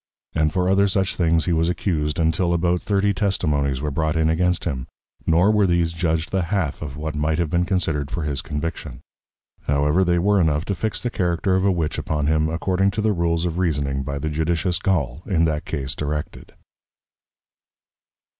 And for other such things he was Accused, until about thirty Testimonies were brought in against him; nor were these judg'd the half of what might have been considered for his Conviction: However they were enough to fix the Character of a Witch upon him according to the Rules of Reasoning, by the Judicious Gaule, in that Case directed.